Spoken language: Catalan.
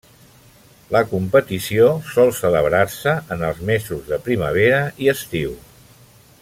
La competició sol celebrar-se en els mesos de primavera i estiu.